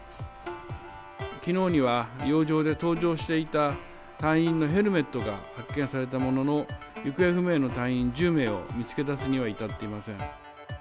きのうには洋上で搭乗していた隊員のヘルメットが発見されたものの、行方不明の隊員１０名を見つけ出すには至っていません。